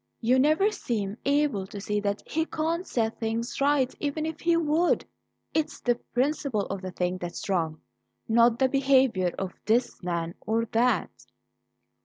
You never seem able to see that he can't set things right even if he would. It's the principle of the thing that's wrong, not the behaviour of this man or that."